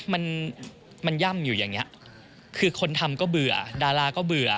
มันมันย่ำอยู่อย่างเงี้ยคือคนทำก็เบื่อดาราก็เบื่อ